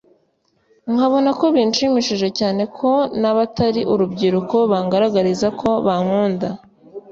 nkabona ko binshimishije cyane ko n’abatari urubyiruko bangaragariza ko bankunda